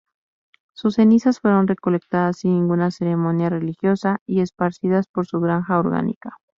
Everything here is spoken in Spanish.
Sus cenizas fueron recolectadas sin ninguna ceremonia religiosa y esparcidas por su granja orgánica.